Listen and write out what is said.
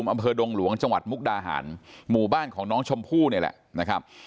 อำเภอดงหลวงจังหวัดมุกดาหารหมู่บ้านของน้องชมพู่นี่แหละนะครับ